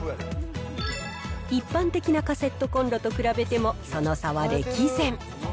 一般的なカセットコンロと比べてもその差は歴然。